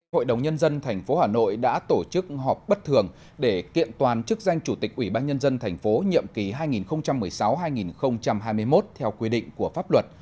hội đồng nhân dân tp hà nội đã tổ chức họp bất thường để kiện toàn chức danh chủ tịch ủy ban nhân dân tp nhậm ký hai nghìn một mươi sáu hai nghìn hai mươi một theo quy định của pháp luật